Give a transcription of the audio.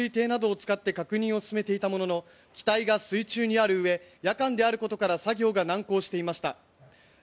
無人潜水艇などを使って確認していたものの機体が水中にあるうえ夜間であることから難航していました。